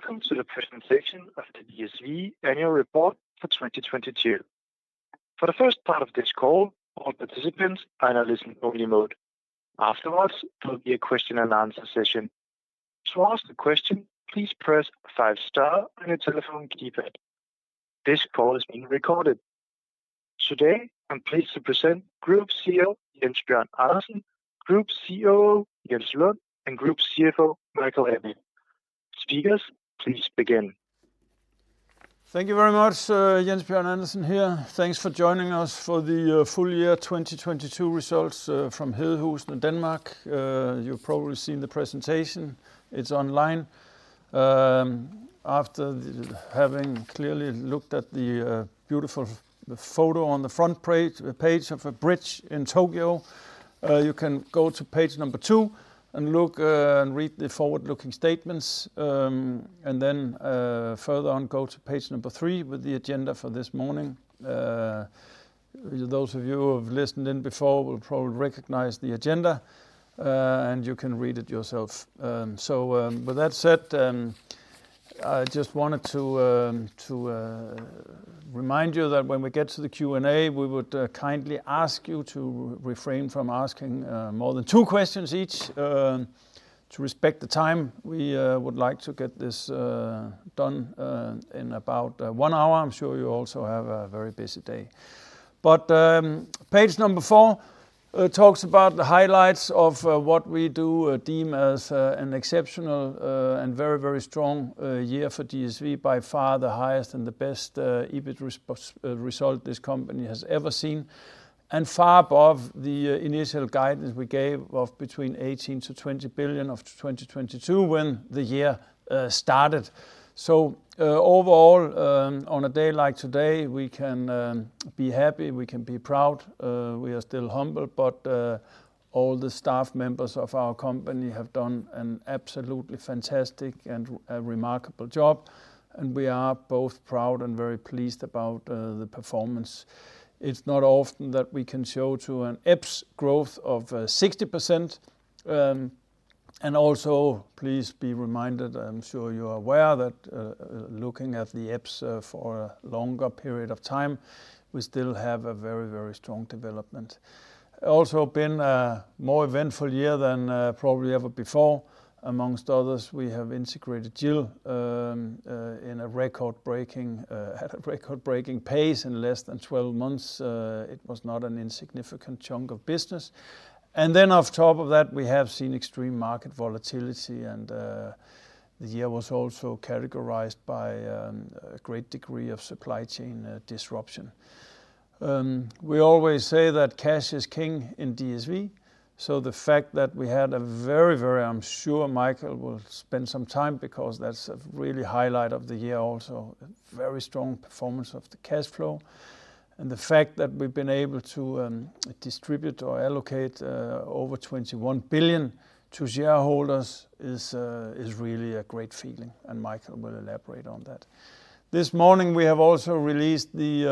Welcome to the presentation of the DSV annual report for 2022. For the first part of this call, all participants are in a listen-only mode. Afterwards, there'll be a question and answer session. To ask a question, please press star star on your telephone keypad. This call is being recorded. Today, I'm pleased to present Group CEO, Jens Bjørn Andersen, Group COO, Jens Lund, and Group CFO, Michael Ebbe. Speakers, please begin. Thank you very much, Jens Bjørn Andersen here. Thanks for joining us for the full year 2022 results from Hedehusene, Denmark. You've probably seen the presentation. It's online. After having clearly looked at the beautiful photo on the front page of a bridge in Tokyo, you can go to page number 2 and read the forward-looking statements. Then, further on, go to page number 3 with the agenda for this morning. Those of you who have listened in before will probably recognize the agenda, and you can read it yourself. With that said, I just wanted to remind you that when we get to the Q&A, we would kindly ask you to refrain from asking more than two questions each to respect the time. We would like to get this done in about 1 hour. I am sure you also have a very busy day. Page number 4 talks about the highlights of what we do deem as an exceptional and very, very strong year for DSV. By far the highest and the best EBIT result this company has ever seen, and far above the initial guidance we gave of between 18 billion-20 billion of 2022 when the year started. Overall, on a day like today, we can be happy, we can be proud. We are still humble, but all the staff members of our company have done an absolutely fantastic and a remarkable job, and we are both proud and very pleased about the performance. It's not often that we can show to an EPS growth of 60%. Please be reminded, I'm sure you're aware that looking at the EPS for a longer period of time, we still have a very, very strong development. Also been a more eventful year than probably ever before. Amongst others, we have integrated GIL in a record-breaking, at a record-breaking pace in less than 12 months. It was not an insignificant chunk of business. On top of that, we have seen extreme market volatility, the year was also characterized by a great degree of supply chain disruption. We always say that cash is king in DSV, so the fact that we had a very strong performance of the cash flow. I'm sure Michael Ebbe will spend some time because that's a really highlight of the year also. The fact that we've been able to distribute or allocate over 21 billion to shareholders is really a great feeling, and Michael Ebbe will elaborate on that. This morning, we have also released the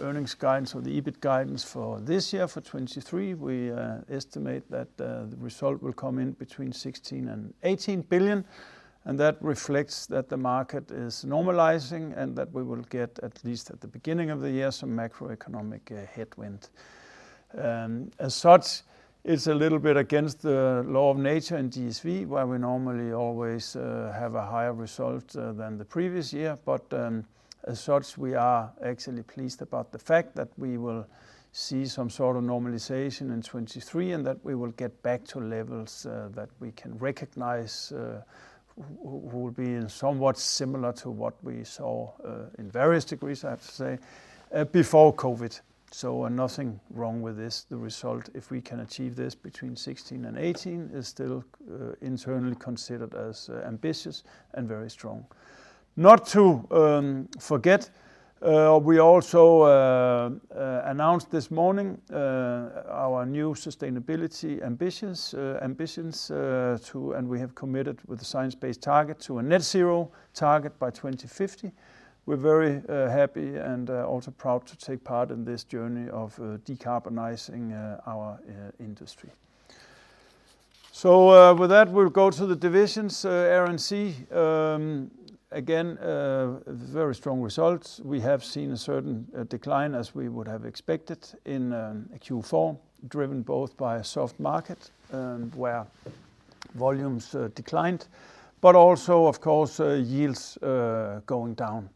earnings guidance or the EBIT guidance for this year, for 2023. We estimate that the result will come in between 16 billion and 18 billion, and that reflects that the market is normalizing and that we will get, at least at the beginning of the year, some macroeconomic headwind. As such, it's a little bit against the law of nature in DSV, where we normally always have a higher result than the previous year. As such, we are actually pleased about the fact that we will see some sort of normalization in 2023 and that we will get back to levels that we can recognize will be somewhat similar to what we saw in various degrees, I have to say, before COVID. Nothing wrong with this. The result, if we can achieve this between 16 billion and 18 billion, is still internally considered as ambitious and very strong. Not to forget, we also announced this morning our new sustainability ambitions to. We have committed with the Science-Based Target to a net zero target by 2050. We're very happy and also proud to take part in this journey of decarbonizing our industry. With that, we'll go to the divisions, Air & Sea. Again, very strong results. We have seen a certain decline as we would have expected in Q4, driven both by a soft market where volumes declined, but also of course, yields going down.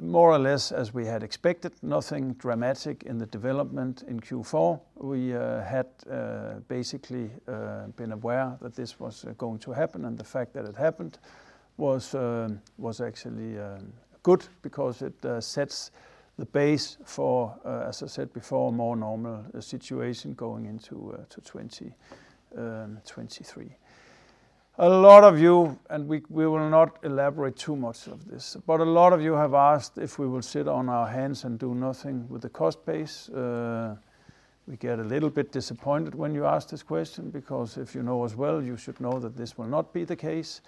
More or less as we had expected, nothing dramatic in the development in Q4. We had basically been aware that this was going to happen, and the fact that it happened was actually good because it sets the base for, as I said before, a more normal situation going into to 2023. A lot of you, and we will not elaborate too much of this, but a lot of you have asked if we will sit on our hands and do nothing with the cost base. We get a little bit disappointed when you ask this question, because if you know us well, you should know that this will not be the case.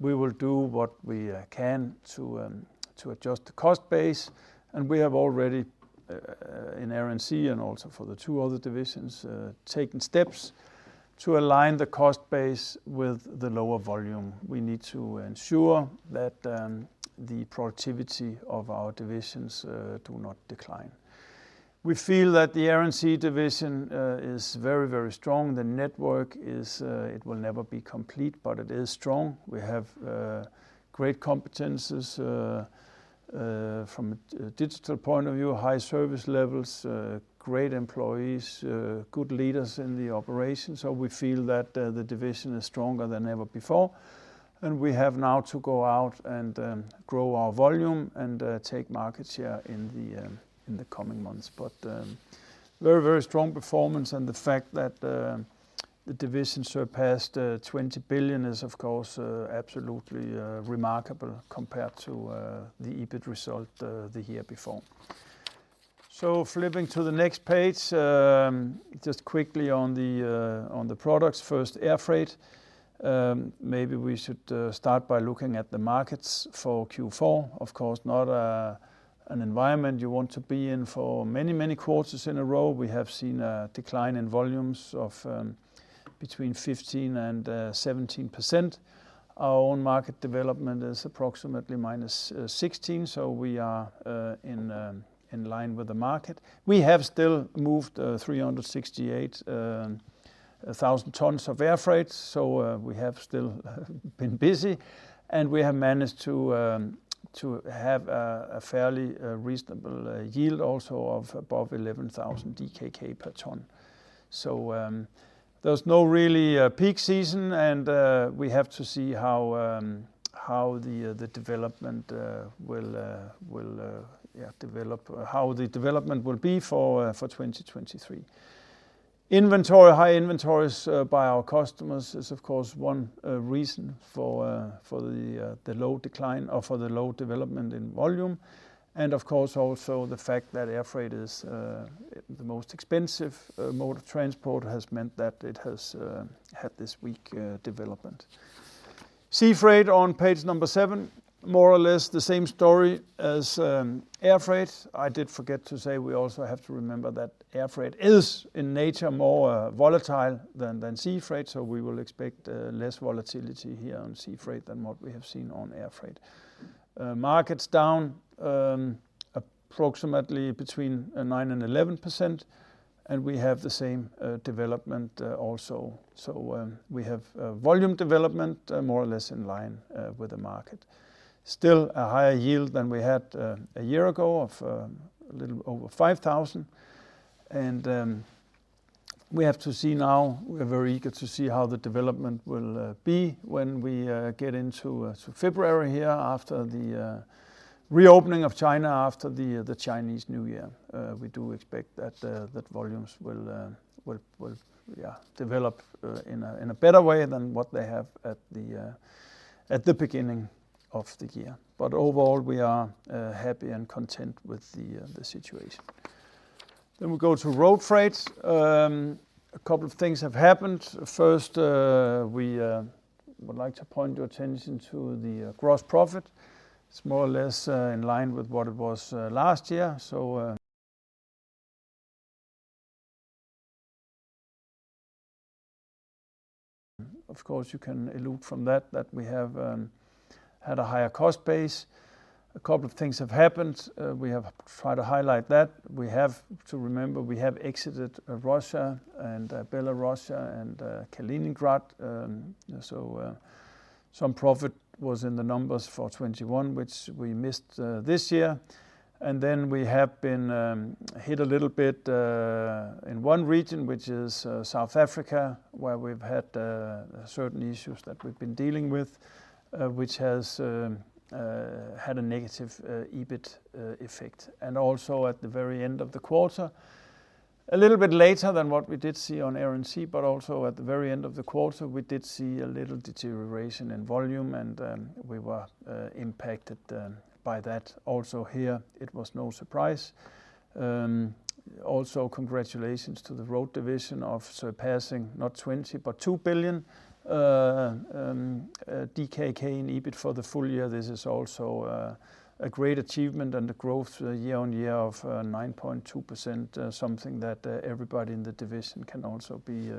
We will do what we can to adjust the cost base. We have already in Air & Sea and also for the two other divisions taken steps to align the cost base with the lower volume. We need to ensure that the productivity of our divisions do not decline. We feel that the Air & Sea division is very, very strong. The network is, it will never be complete, but it is strong. We have great competencies from a digital point of view, high service levels, great employees, good leaders in the operation. We feel that the division is stronger than ever before. We have now to go out and grow our volume and take market share in the coming months. Very, very strong performance and the fact that the division surpassed 20 billion is of course absolutely remarkable compared to the EBIT result the year before. Flipping to the next page, just quickly on the products. First, air freight. Maybe we should start by looking at the markets for Q4. Of course, not an environment you want to be in for many, many quarters in a row. We have seen a decline in volumes of between 15 and 17%. Our own market development is approximately minus 16%, so we are in line with the market. We have still moved 368,000 tons of air freight, so we have still been busy. We have managed to have a fairly reasonable yield also of above 11,000 DKK per ton. There's no really peak season and we have to see how the development will develop. How the development will be for 2023. Inventory, high inventories by our customers is of course one reason for the low decline or for the low development in volume. Of course, also the fact that air freight is the most expensive mode of transport has meant that it has had this weak development. Sea freight on page 7, more or less the same story as air freight. I did forget to say we also have to remember that air freight is in nature more volatile than sea freight, so we will expect less volatility here on sea freight than what we have seen on air freight. Markets down approximately between 9% and 11%, and we have the same development also. We have volume development more or less in line with the market. Still a higher yield than we had a year ago of a little over 5,000. We have to see now, we're very eager to see how the development will be when we get into so February here after the reopening of China after the Chinese New Year. We do expect that volumes will develop in a better way than what they have at the beginning of the year. Overall, we are happy and content with the situation. We go to Road freight. A couple of things have happened. First, we would like to point your attention to the gross profit. It's more or less in line with what it was last year. Of course, you can allude from that we have had a higher cost base. A couple of things have happened. We have tried to highlight that. We have to remember we have exited Russia and Belarus and Kaliningrad. Some profit was in the numbers for 2021, which we missed this year. We have been hit a little bit in one region, which is South Africa, where we've had certain issues that we've been dealing with, which has had a negative EBIT effect. Also at the very end of the quarter, a little bit later than what we did see on Air & Sea, but also at the very end of the quarter, we did see a little deterioration in volume, and we were impacted by that. Also here, it was no surprise. Also congratulations to the Road division of surpassing not 20 but 2 billion DKK in EBIT for the full year. This is also a great achievement and the growth year-on-year of 9.2%, something that everybody in the division can also be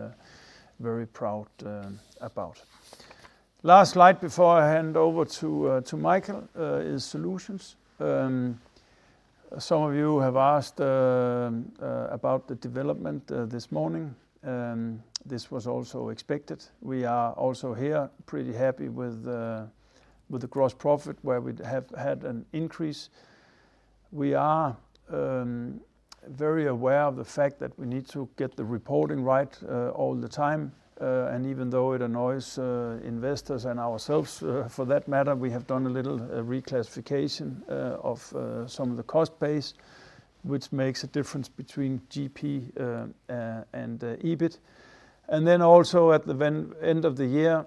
very proud about. Last slide before I hand over to Michael is solutions. Some of you have asked about the development this morning. This was also expected. We are also here pretty happy with the gross profit where we have had an increase. We are very aware of the fact that we need to get the reporting right all the time. Even though it annoys investors and ourselves for that matter, we have done a little reclassification of some of the cost base, which makes a difference between GP and EBIT. Also at the end of the year,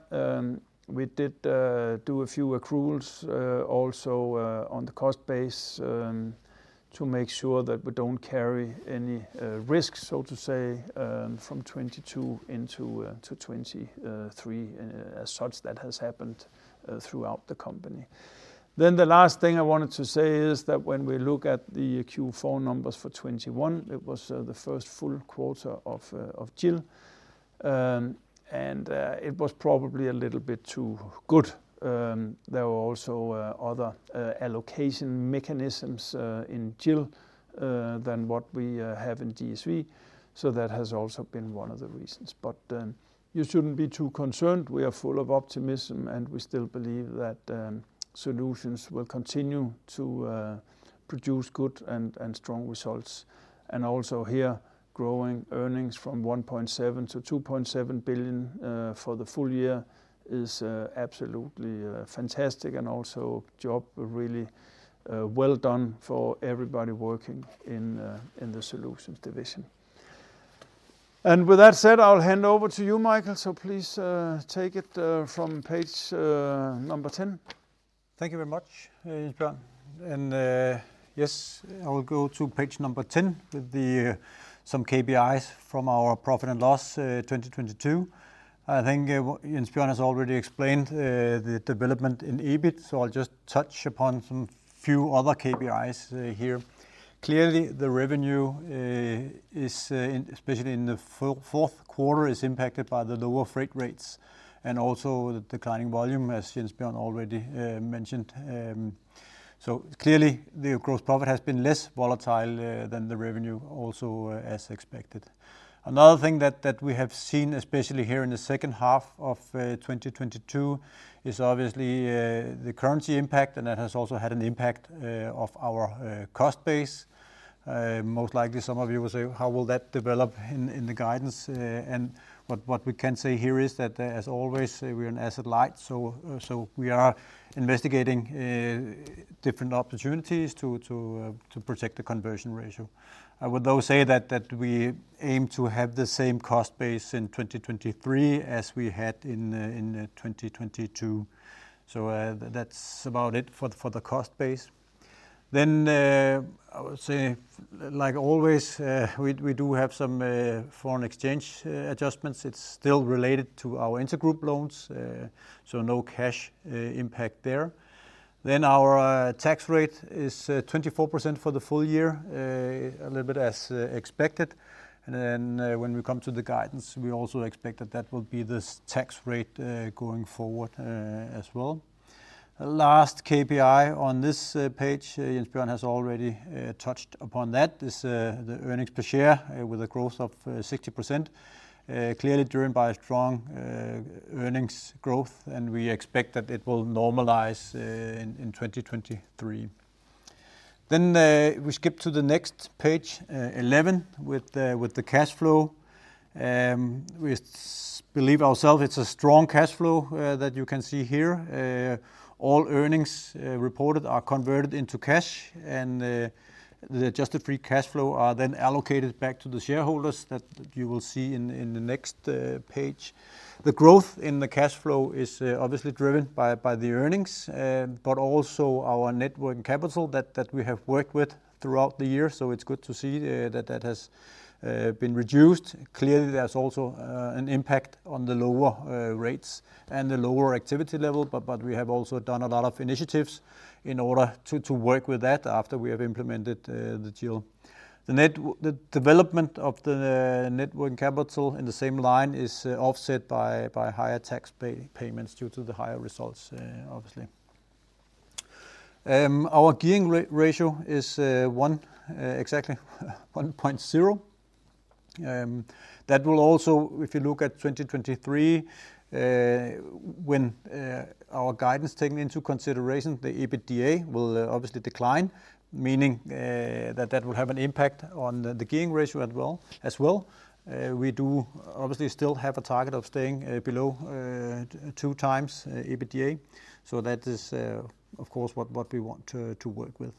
we did do a few accruals also on the cost base to make sure that we don't carry any risks, so to say, from 2022 into 2023. As such, that has happened throughout the company. The last thing I wanted to say is that when we look at the Q4 numbers for 2021, it was the first full quarter of GIL. It was probably a little bit too good. There were also other allocation mechanisms in GIL than what we have in DSV, so that has also been one of the reasons. You shouldn't be too concerned. We are full of optimism, and we still believe that solutions will continue to produce good and strong results. Also here, growing earnings from 1.7 billion-2.7 billion for the full year is absolutely fantastic and also job really well done for everybody working in the Solutions division. With that said, I'll hand over to you, Michael, so please take it from page number 10. Thank you very much, Jens Bjørn. Yes, I will go to page number 10 with the some KPIs from our profit and loss, 2022. I think Jens Bjørn has already explained the development in EBIT, so I'll just touch upon some few other KPIs here. Clearly the revenue is in especially in the fourth quarter is impacted by the lower freight rates and also the declining volume as Jens Bjørn already mentioned. So clearly the gross profit has been less volatile than the revenue also as expected. Another thing that we have seen, especially here in the second half of 2022, is obviously the currency impact, and that has also had an impact of our cost base. Most likely some of you will say, "How will that develop in the guidance?" What we can say here is that as always we're an asset-light, so we are investigating different opportunities to protect the conversion ratio. I would though say that we aim to have the same cost base in 2023 as we had in 2022. That's about it for the cost base. I would say like always, we do have some foreign exchange adjustments. It's still related to our intergroup loans, so no cash impact there. Our tax rate is 24% for the full year, a little bit as expected. When we come to the guidance, we also expect that that will be this tax rate going forward as well. Last KPI on this page, Jens Bjørn has already touched upon that. This, the earnings per share with a growth of 60%, clearly driven by strong earnings growth, and we expect that it will normalize in 2023. We skip to the next page 11 with the cash flow. We believe ourself it's a strong cash flow that you can see here. All earnings reported are converted into cash, and the adjusted free cash flow are then allocated back to the shareholders that you will see in the next page. The growth in the cash flow is obviously driven by the earnings, but also our net working capital that we have worked with throughout the year, so it's good to see that has been reduced. Clearly, there's also an impact on the lower rates and the lower activity level, but we have also done a lot of initiatives in order to work with that after we have implemented the GIL. The development of the net working capital in the same line is offset by higher tax payments due to the higher results, obviously. Our gearing ratio is exactly 1.0. That will also, if you look at 2023, when our guidance taken into consideration, the EBITDA will obviously decline, meaning that will have an impact on the gearing ratio as well. We do obviously still have a target of staying below two times EBITDA, so that is of course what we want to work with.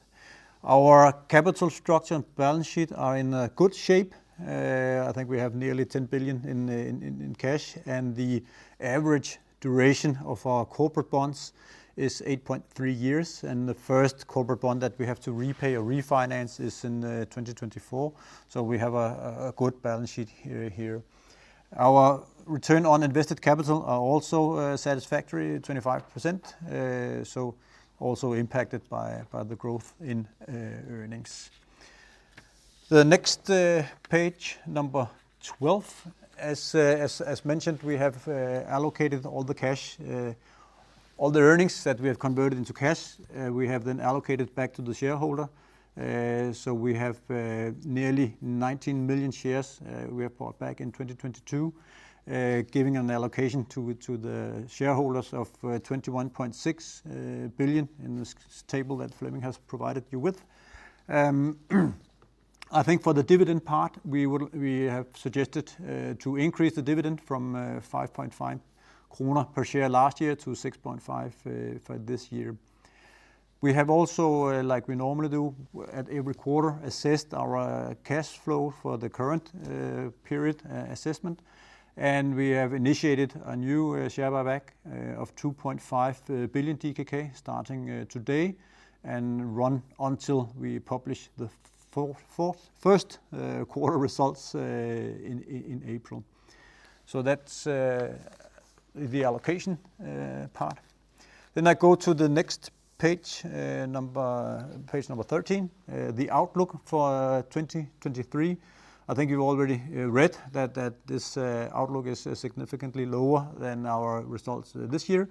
Our capital structure and balance sheet are in a good shape. I think we have nearly 10 billion in cash, and the average duration of our corporate bonds is 8.3 years. The first corporate bond that we have to repay or refinance is in 2024. We have a good balance sheet here. Our return on invested capital are also satisfactory at 25%. Also impacted by the growth in earnings. The next page, number 12. As mentioned, we have allocated all the cash, all the earnings that we have converted into cash, we have allocated back to the shareholder. We have nearly 19 million shares we have bought back in 2022, giving an allocation to the shareholders of 21.6 billion in this table that Fleming has provided you with. I think for the dividend part, we have suggested to increase the dividend from 5.5 kroner per share last year to 6.5 for this year. We have also, like we normally do at every quarter, assessed our cash flow for the current period assessment. We have initiated a new share buyback of 2.5 billion DKK starting today and run until we publish the first quarter results in April. That's the allocation part. I go to the next page number 13, the outlook for 2023. I think you already read that this outlook is significantly lower than our results this year.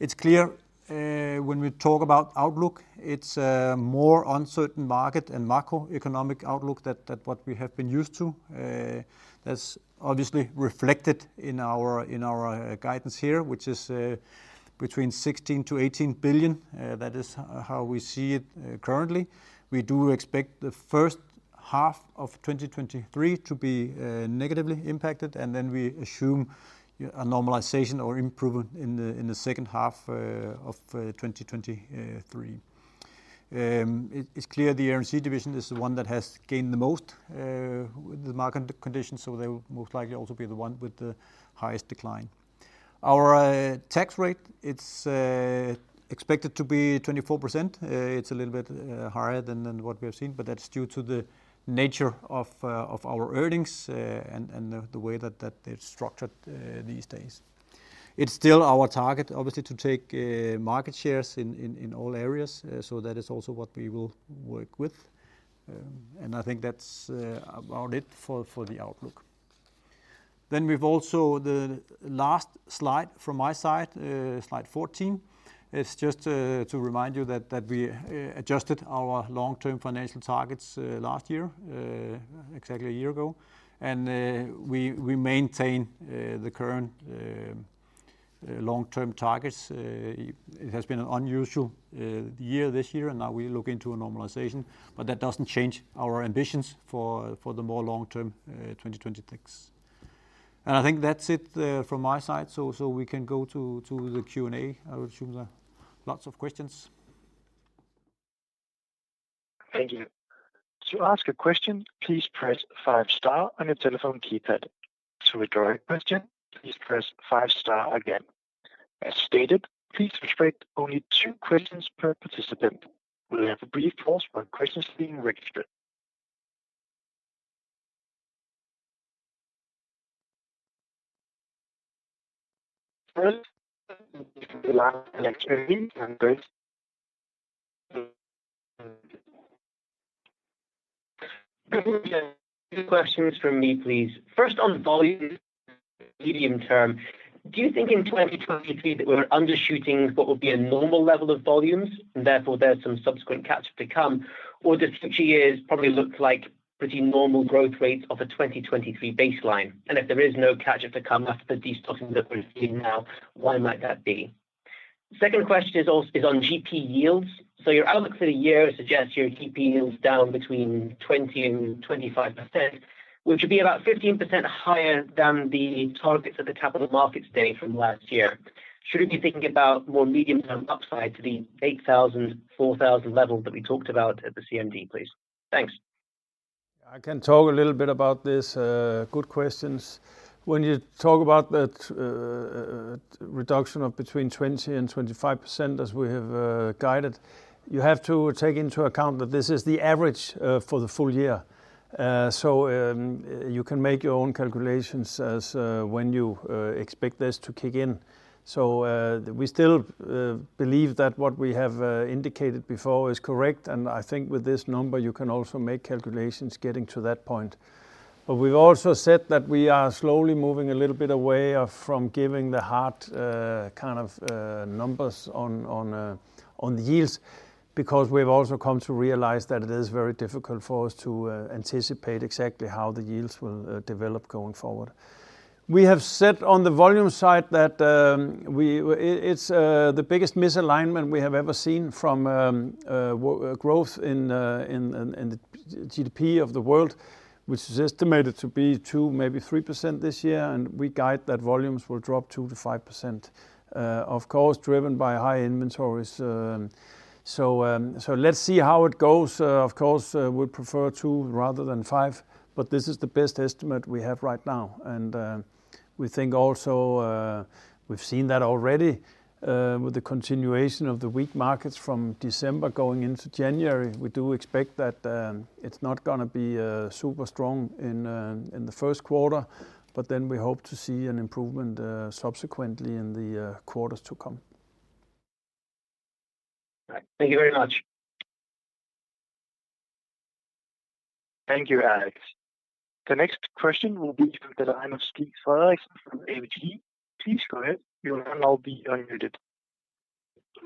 It's clear, when we talk about outlook, it's a more uncertain market and macroeconomic outlook that what we have been used to. That's obviously reflected in our guidance here, which is between 16 billion-18 billion. That is how we see it currently. We do expect the first half of 2023 to be negatively impacted, and then we assume a normalization or improvement in the second half of 2023. It's clear the Road division is the one that has gained the most with the market conditions. They will most likely also be the one with the highest decline. Our tax rate, it's expected to be 24%. It's a little bit higher than what we have seen, but that's due to the nature of our earnings and the way that they're structured these days. It's still our target, obviously, to take market shares in all areas. That is also what we will work with. I think that's about it for the outlook. We've also the last slide from my side, slide 14. It's just to remind you that we adjusted our long-term financial targets last year, exactly a year ago. We maintain the current long-term targets. It has been an unusual year this year, and now we look into a normalization, but that doesn't change our ambitions for the more long-term, 2020 takes. I think that's it from my side. We can go to the Q&A. I will assume there are lots of questions. Thank you. To ask a question, please press 5 star on your telephone keypad. To withdraw your question, please press 5 star again. As stated, please restrict only 2 questions per participant. We'll have a brief pause for questions being registered. Alex Two questions from me, please. First, on volume, medium-term, do you think in 2023 that we're undershooting what would be a normal level of volumes, and therefore, there's some subsequent catch-up to come? Does six years probably look like pretty normal growth rates of a 2023 baseline? If there is no catch-up to come after the destocking that we're seeing now, why might that be? Second question is on GP yields. Your outlook for the year suggests your GP yields down between 20% and 25%, which would be about 15% higher than the targets at the Capital Markets Day from last year. Should we be thinking about more medium-term upside to the 8,000, 4,000 level that we talked about at the CMD, please? Thanks. I can talk a little bit about this. Good questions. When you talk about that reduction of between 20% and 25%, as we have guided, you have to take into account that this is the average for the full year. You can make your own calculations as when you expect this to kick in. We still believe that what we have indicated before is correct, and I think with this number, you can also make calculations getting to that point. We've also said that we are slowly moving a little bit away from giving the hard kind of numbers on the yields, because we've also come to realize that it is very difficult for us to anticipate exactly how the yields will develop going forward. We have said on the volume side that it's the biggest misalignment we have ever seen from growth in the GDP of the world, which is estimated to be 2, maybe 3% this year. We guide that volumes will drop 2% to 5%. Of course, driven by high inventories. Let's see how it goes. Of course, we prefer 2 rather than 5, but this is the best estimate we have right now. We think also we've seen that already with the continuation of the weak markets from December going into January. We do expect that it's not gonna be super strong in the first quarter, but then we hope to see an improvement subsequently in the quarters to come. Thank you very much. Thank you, Alex. The next question will be from the line of Stig Frederiksen from ABG. Please go ahead. You will now be unmuted.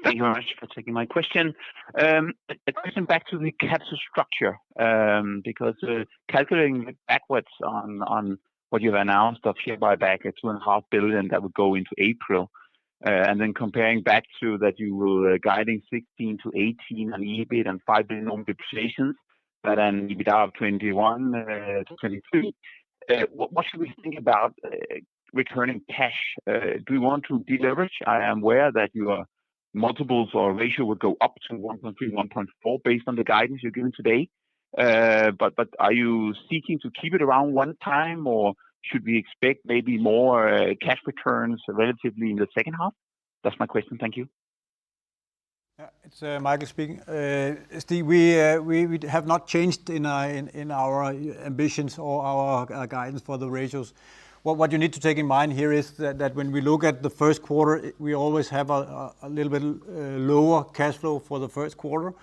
Thank you very much for taking my question. A question back to the capital structure, because calculating backwards on what you've announced of share buyback at 2.5 billion that would go into April, and then comparing back to that you were guiding 16 billion-18 billion on EBIT and 5 billion on depreciations, but an EBITA of 21 billion-22 billion. What should we think about returning cash? Do we want to deleverage? I am aware that your multiples or ratio would go up to 1.3, 1.4 based on the guidance you're giving today. Are you seeking to keep it around 1 time, or should we expect maybe more cash returns relatively in the second half? That's my question. Thank you. It's Michael speaking. Stig, we have not changed in our ambitions or our guidance for the ratios. What you need to take in mind here is that when we look at the first quarter, we always have a little bit lower cash flow for the first quarter.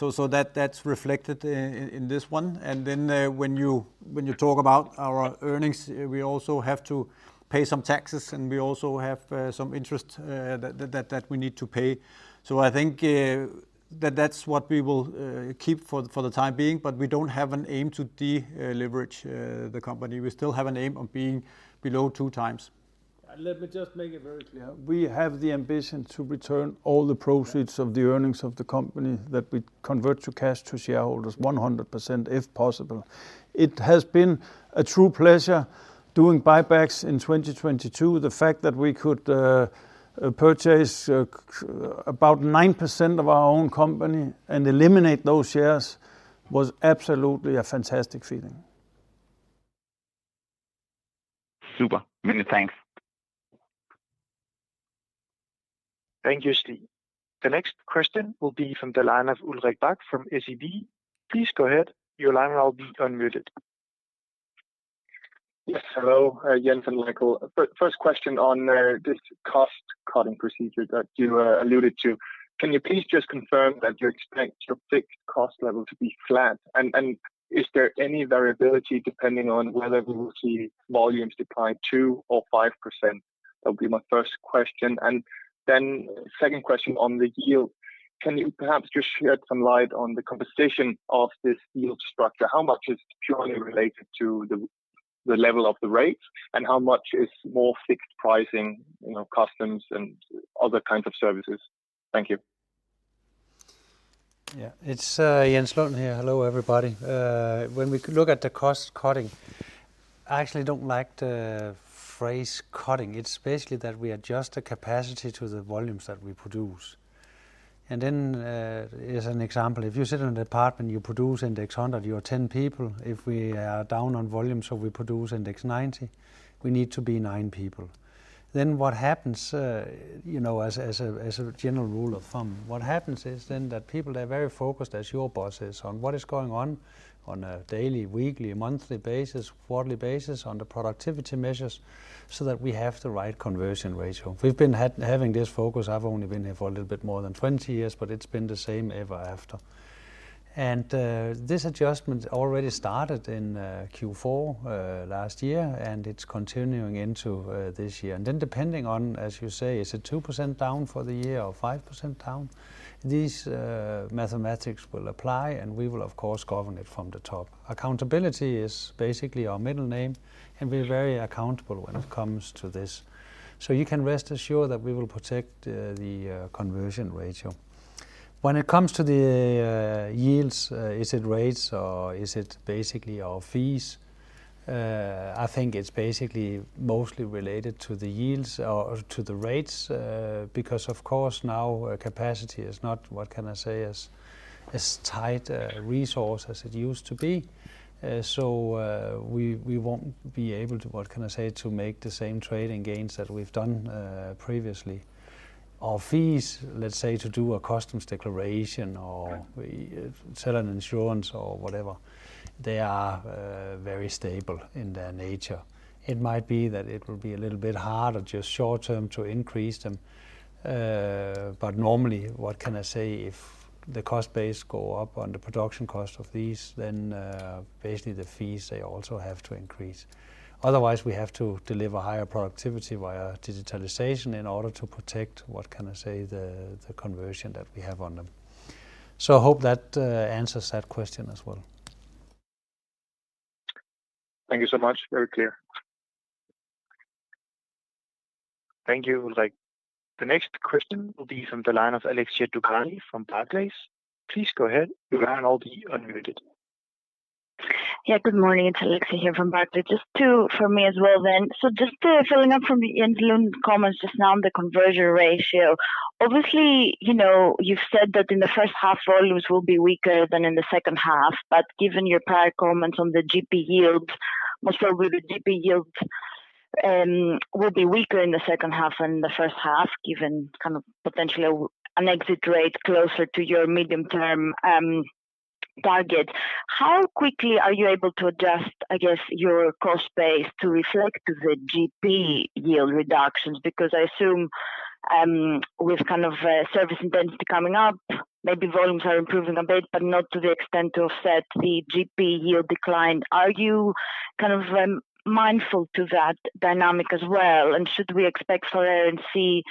That's reflected in this one. When you talk about our earnings, we also have to pay some taxes, and we also have some interest that we need to pay. I think that's what we will keep for the time being, but we don't have an aim to deleverage the company. We still have an aim of being below 2 times. Let me just make it very clear. We have the ambition to return all the proceeds of the earnings of the company that we convert to cash to shareholders 100% if possible. It has been a true pleasure doing buybacks in 2022. The fact that we could purchase about 9% of our own company and eliminate those shares was absolutely a fantastic feeling. Super. Many thanks. Thank you, Stig. The next question will be from the line of Ulrich Bach from SEB. Please go ahead. Your line will now be unmuted. Yes, hello, Jens and Michael. First question on this cost-cutting procedure that you alluded to. Can you please just confirm that you expect your fixed cost level to be flat? Is there any variability depending on whether we will see volumes decline 2% or 5%? That'll be my first question. Then second question on the yield. Can you perhaps just shed some light on the composition of this yield structure? How much is purely related to the level of the rates, and how much is more fixed pricing, you know, customs and other kinds of services? Thank you. It's Jens Lund here. Hello, everybody. When we look at the cost-cutting, I actually don't like the phrase cutting. It's basically that we adjust the capacity to the volumes that we produce. As an example, if you sit in a department, you produce index 100, you are 10 people. If we are down on volume, so we produce index 90, we need to be 9 people. What happens, you know, as a general rule of thumb, what happens is that people are very focused as your bosses on what is going on on a daily, weekly, monthly basis, quarterly basis on the productivity measures so that we have the right conversion ratio. We've been having this focus. I've only been here for a little bit more than 20 years, it's been the same ever after. This adjustment already started in Q4 last year, and it's continuing into this year. Depending on, as you say, is it 2% down for the year or 5% down, these mathematics will apply, and we will of course govern it from the top. Accountability is basically our middle name, and we're very accountable when it comes to this. You can rest assure that we will protect the conversion ratio. When it comes to the yields, is it rates or is it basically our fees? I think it's basically mostly related to the yields or to the rates, because of course now capacity is not, what can I say, as tight a resource as it used to be. We won't be able to, what can I say, to make the same trading gains that we've done previously. Our fees, let's say to do a customs declaration or sell an insurance or whatever, they are very stable in their nature. It might be that it will be a little bit harder just short term to increase them. Normally, what can I say, if the cost base go up on the production cost of these, basically the fees, they also have to increase. Otherwise, we have to deliver higher productivity via digitalization in order to protect, what can I say, the conversion that we have on them. I hope that answers that question as well. Thank you so much. Very clear. Thank you. Like, the next question will be from the line of Alexia Dogani from Barclays. Please go ahead. Your line will be unmuted. Good morning. It's Alexia here from Barclays. Just two for me as well then. Just following up from the Jens Lund comments just now on the conversion ratio. Obviously, you know, you've said that in the first half, volumes will be weaker than in the second half. Given your prior comments on the GP yields, most probably the GP yields will be weaker in the second half than the first half, given kind of potentially an exit rate closer to your medium-term target. How quickly are you able to adjust, I guess, your cost base to reflect the GP yield reductions? I assume with kind of a service intensity coming up, maybe volumes are improving a bit, but not to the extent to offset the GP yield decline. Are you kind of mindful to that dynamic as well? Should we expect for RNC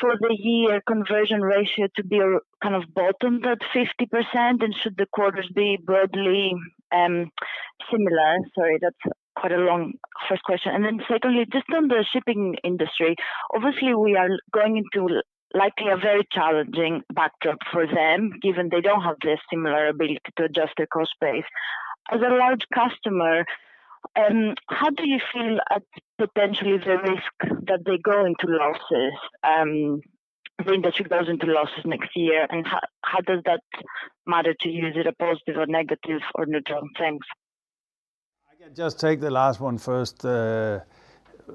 for the year conversion ratio to be kind of bottomed at 50%? Should the quarters be broadly similar? Sorry, that's quite a long first question. Secondly, just on the shipping industry, obviously we are going into likely a very challenging backdrop for them, given they don't have the similar ability to adjust their cost base. As a large customer, how do you feel at potentially the risk that they go into losses, the industry goes into losses next year? How does that matter to you? Is it a positive or negative or neutral? Thanks. Just take the last one first.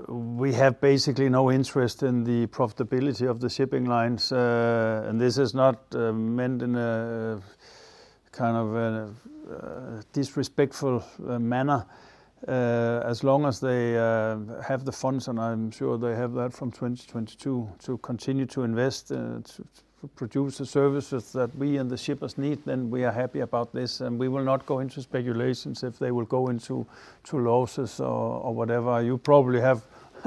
We have basically no interest in the profitability of the shipping lines. This is not meant in a kind of a disrespectful manner. As long as they have the funds, and I'm sure they have that from 2022 to continue to invest, to produce the services that we and the shippers need, then we are happy about this, and we will not go into speculations if they will go into losses or whatever. You probably have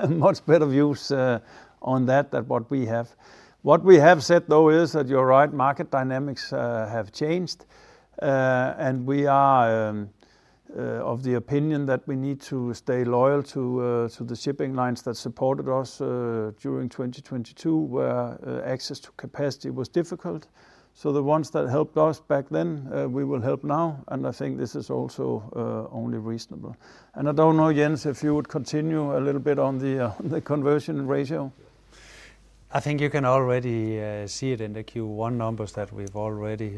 much better views on that than what we have. What we have said, though, is that you're right, market dynamics have changed. We are of the opinion that we need to stay loyal to the shipping lines that supported us during 2022, where access to capacity was difficult. The ones that helped us back then, we will help now, and I think this is also only reasonable. I don't know, Jens, if you would continue a little bit on the conversion ratio. I think you can already see it in the Q1 numbers that we've already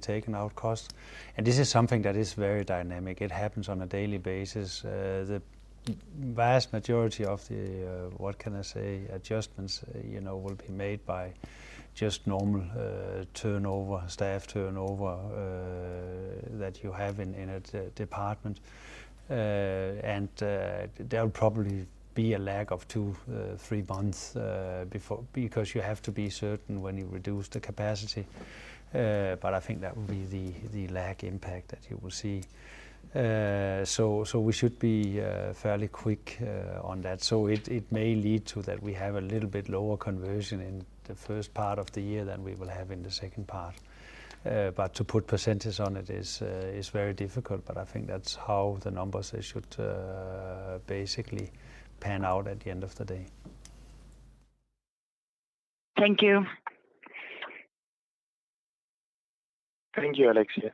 taken out costs. This is something that is very dynamic. It happens on a daily basis. The vast majority of the, what can I say, adjustments, you know, will be made by just normal turnover, staff turnover, that you have in a department. There'll probably be a lag of two, three months, because you have to be certain when you reduce the capacity. I think that will be the lag impact that you will see. We should be fairly quick on that. It may lead to that we have a little bit lower conversion in the first part of the year than we will have in the second part. To put percentages on it is very difficult, but I think that's how the numbers they should basically pan out at the end of the day. Thank you. Thank you, Alexia.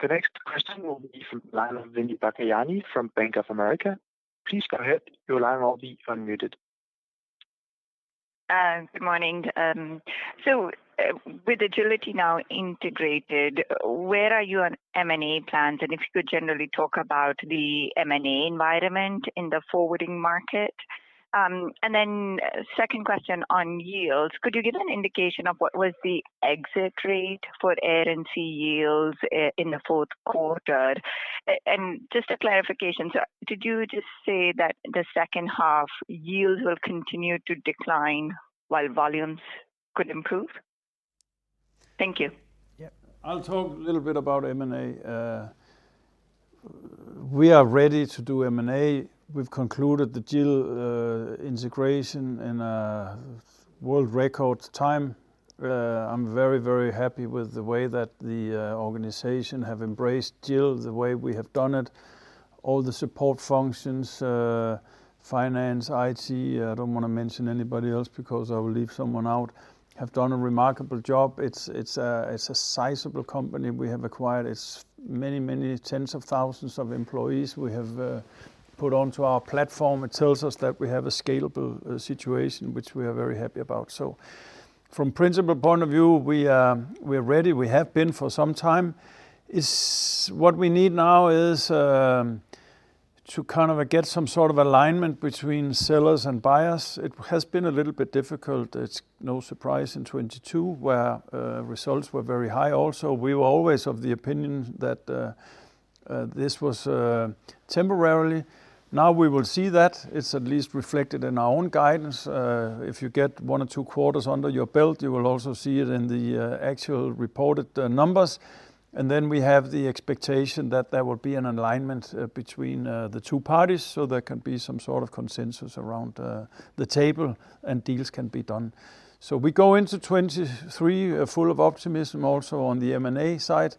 The next question will be from line of Muneeba Kayani from Bank of America. Please go ahead. Your line will be unmuted. Good morning. With Agility now integrated, where are you on M&A plans? If you could generally talk about the M&A environment in the forwarding market. Second question on yields. Could you give an indication of what was the exit rate for Air & Sea yields in the fourth quarter? Just a clarification. Did you just say that the second half yields will continue to decline while volumes could improve? Thank you. I'll talk a little bit about M&A. We are ready to do M&A. We've concluded the GIL integration in a world record time. I'm very, very happy with the way that the organization have embraced GIL, the way we have done it. All the support functions, finance, IT, I don't wanna mention anybody else because I will leave someone out, have done a remarkable job. It's a sizable company we have acquired. It's many tens of thousands of employees we have put onto our platform. It tells us that we have a scalable situation, which we are very happy about. From principal point of view, we are ready. We have been for some time. What we need now is to kind of get some sort of alignment between sellers and buyers. It has been a little bit difficult. It's no surprise in 22, where results were very high also. We were always of the opinion that this was temporarily. Now we will see that. It's at least reflected in our own guidance. If you get 1 or 2 quarters under your belt, you will also see it in the actual reported numbers. Then we have the expectation that there will be an alignment between the two parties, so there can be some sort of consensus around the table and deals can be done. We go into 23 full of optimism also on the M&A side.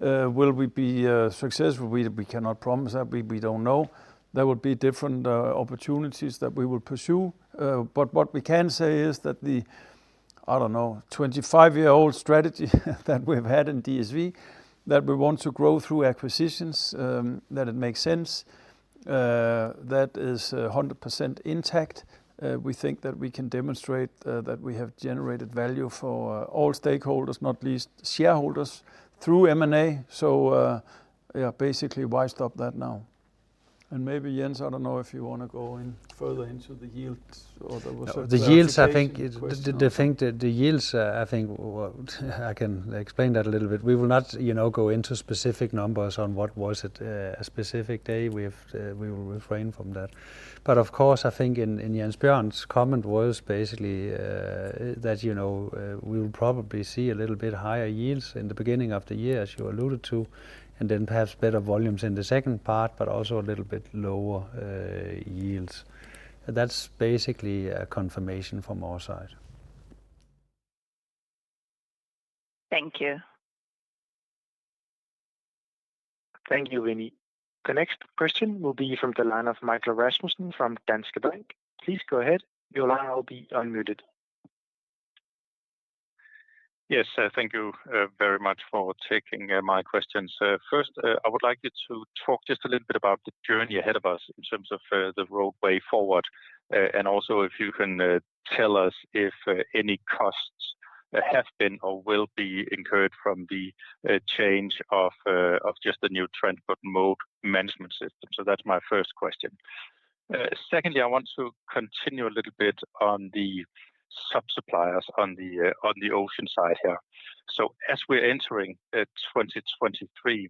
Will we be successful? We cannot promise that. We don't know. There will be different opportunities that we will pursue. What we can say is that the, I don't know, 25-year-old strategy that we've had in DSV, that we want to grow through acquisitions, that it makes sense, that is 100% intact. We think that we can demonstrate that we have generated value for all stakeholders, not least shareholders, through M&A. Basically why stop that now? Maybe, Jens, I don't know if you wanna go in further into the yields or there was. The yields the thing the yields, I think what I can explain that a little bit. We will not, you know, go into specific numbers on what was it a specific day. We will refrain from that. Of course, I think in Jens Bjørn's comment was basically that, you know, we will probably see a little bit higher yields in the beginning of the year, as you alluded to, and then perhaps better volumes in the second part, but also a little bit lower yields. That's basically a confirmation from our side. Thank you. Thank you, Munee. The next question will be from the line of Michael Thruesen from Danske Bank. Please go ahead. Your line will be unmuted. Yes. Thank you very much for taking my questions. First, I would like you to talk just a little bit about the journey ahead of us in terms of the Roadway Forward. Also if you can tell us if any costs that have been or will be incurred from the change of just the new trend but more management system. That's my first question. Secondly, I want to continue a little bit on the sub-suppliers on the ocean side here. As we're entering 2023,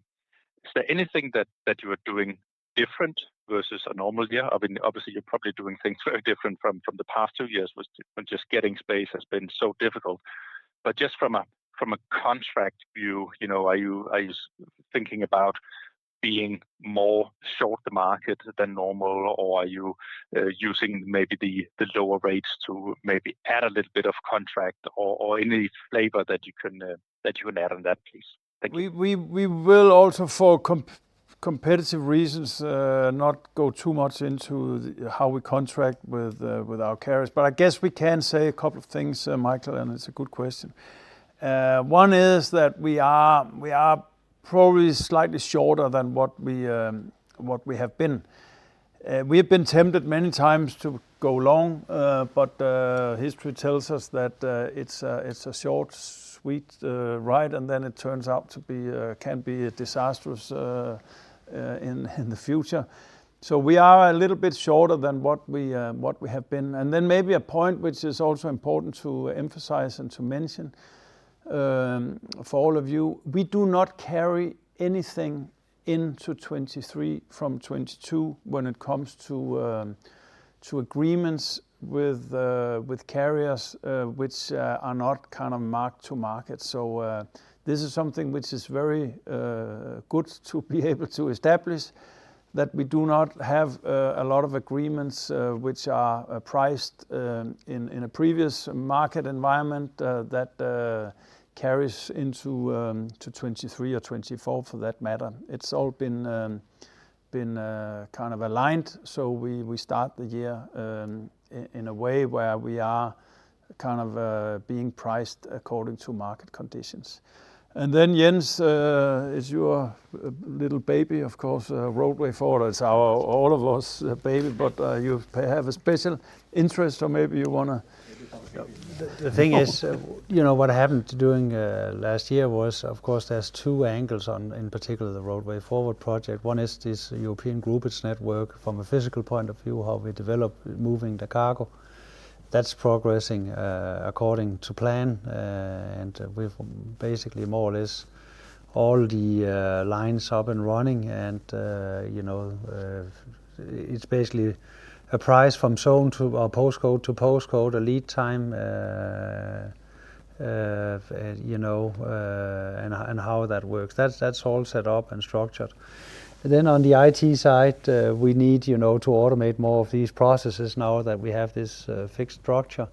is there anything that you are doing different versus a normal year? I mean, obviously, you're probably doing things very different from the past two years when just getting space has been so difficult. Just from a contract view, you know, are you thinking about being more short to market than normal? Or are you using maybe the lower rates to maybe add a little bit of contract or any flavor that you can add on that please? Thank you. We will also, for competitive reasons, not go too much into how we contract with our carriers. I guess we can say a couple of things, Michael, and it's a good question. One is that we are probably slightly shorter than what we have been. We have been tempted many times to go long, but history tells us that it's a short, sweet ride, and then it turns out to be can be disastrous in the future. We are a little bit shorter than what we have been. Maybe a point which is also important to emphasize and to mention, for all of you, we do not carry anything into 2023 from 2022 when it comes to agreements with carriers, which are not kind of mark to market. This is something which is very good to be able to establish, that we do not have a lot of agreements, which are priced in a previous market environment, that carries into 2023 or 2024 for that matter. It's all been kind of aligned, so we start the year in a way where we are kind of being priced according to market conditions. Jens, it's your little baby, of course, Roadway Forward. It's our, all of ours baby, you have a special interest, maybe you wanna. The thing is, you know, what happened during last year was, of course, there's two angles on, in particular, the Roadway Forward project. One is this European group, its network from a physical point of view, how we develop moving the cargo. That's progressing according to plan, and we've basically more or less all the lines up and running and, you know, it's basically a price from zone to, or postcode to postcode, a lead time, you know, and how that works. That's all set up and structured. On the IT side, we need, you know, to automate more of these processes now that we have this fixed structure.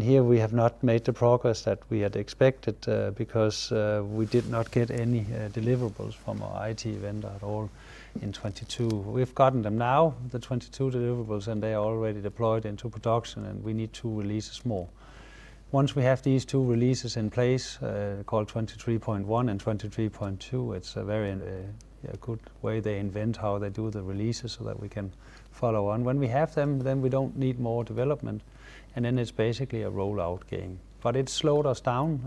Here we have not made the progress that we had expected because we did not get any deliverables from our IT vendor at all in 2022. We've gotten them now, the 22 deliverables, and they are already deployed into production, and we need 2 releases more. Once we have these 2 releases in place, called 23.1 and 23.2, it's a very good way they invent how they do the releases so that we can follow on. When we have them, then we don't need more development, and then it's basically a rollout game. It slowed us down,